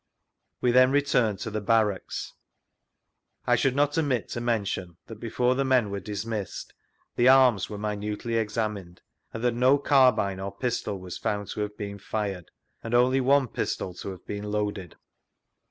We then returned to the Barracks. I should not omit to mention that, before the men werje dismissed, the arms were minutely examined; and that no carbine or pistol was found to have been tired, and only one pistol to have been loaded.